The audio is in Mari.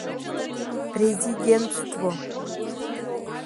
— Резидентство!